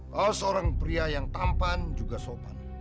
kalau seorang pria yang tampan juga sopan